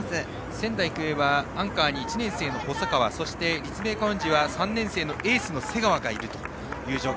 仙台育英はアンカーに１年生の細川そして、立命館宇治は３年生のエースの瀬川がいます。